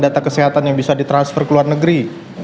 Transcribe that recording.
data kesehatan yang bisa ditransfer ke luar negeri